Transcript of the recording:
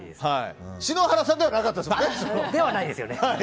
篠原さんではなかったですもんね。